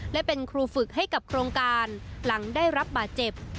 และเป็นครูฝึกให้กับโครงการหลังได้รับบาดเจ็บ